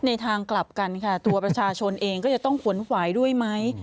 ทางกลับกันค่ะตัวประชาชนเองก็จะต้องฝนหวายด้วยไหม